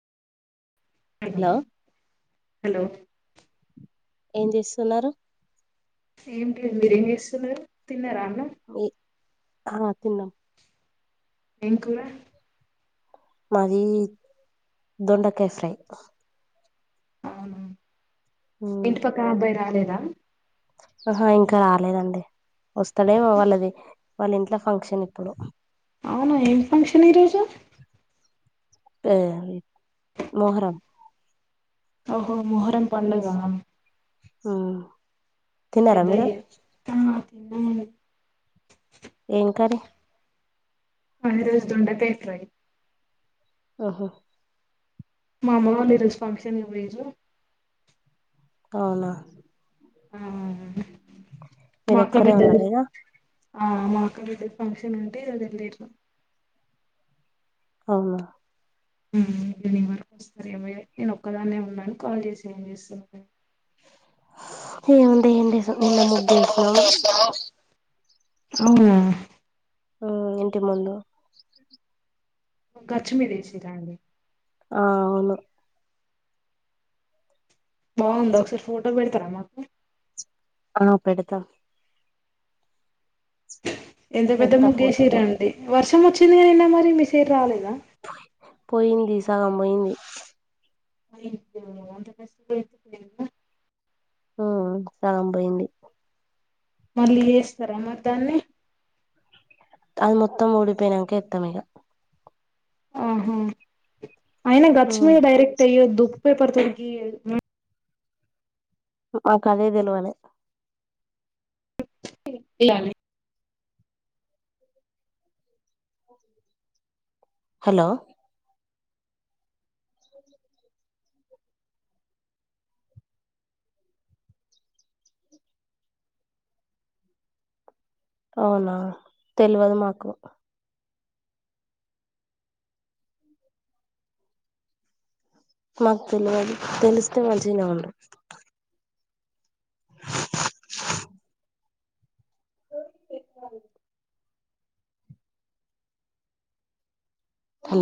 hello hello ఏం చేస్తున్నారు ఏమిటి లేదు మీరేం చేస్తున్నారు తిన్నార అన్నం ఆ తిన్నాం ఏం కూరా మాది దొండకాయ ఫ్రై అవున మ్ ఇంటిపక్కన అబ్బాయి రాలేదా ఆహా ఇంకా రాలేదండి వస్తాడేమో వాళ్ళది వాళ్ళ ఇంట్లో ఫంక్షన్ ఇప్పుడు అవునా ఏం ఫంక్షన్ ఈరోజు ఆ మోహరం ఓహో మొహరం పండుగ ఆ పెద్దయై ఆ ఉ ఏం కర్రీ మాది ఈ రోజు దొండకాయ ఫ్రై ఓహో మా అమ్మ వాళ్ళు ఈ రోజు ఫంక్షన్ కి పోయిన్రు అవునా ఆ మా మీరు అక్క ఒక్కరే బిడ్డది ఉన్నారా ఇగ ఆ మాక్క బిడ్డది ఫంక్షన్ ఉంటె అది [inaudible] అవున ఉమ్ ఈవినింగ్ వరకు వస్తారేమో ఇగ నేను ఒక్కదాన్నే ఉన్నాను కాల్ చేసి ఏం చేస్తున్నా ఏముంది ఏం లేదు నిన్న ముగ్గేసినాం [inaudible] అవున ఉ ఇంటి ముందు గచ్చు మీద ఏసిన్ర అండి ఆ అవును బావుందా ఒకసారి ఫోటో పెడతారా నాకు ఆ పెడతా ఎంత పెద్ద పెడతా ముగ్గు ఫోటో ఏసిన్రండీ వర్షం వచ్చిందిగా నిన్న మరి మీ సైడ్ రాలేదా పోయింది సగం పోయింది అయ్యో అంత కష్టపడి వేసింది పోయిందా ఉ సగం పోయింది మళ్ళీ చేస్తారా మరీ దాన్ని అది మొత్తం ఓడిపోయినక ఎత్తమగా ఆహా అయిన మ్ గచ్చమి డైరెక్ట్ అయ్యేదు పేపర్తోటి మాకదే తెలువల్ ఇలానే హలో అవునా తెలవదు మాకు మాకు తెలియదు తెలిస్తే మంచినే ఉండు డోంటెక్ [unintelligible]